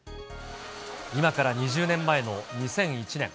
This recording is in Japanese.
今から２０年前の２００１年。